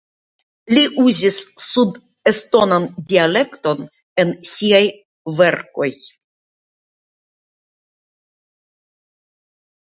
Li uzis sudestonan dialekton en siaj verkoj.